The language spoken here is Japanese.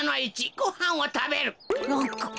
ごはんをたべる。